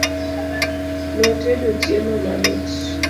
Notedo chiemo mamit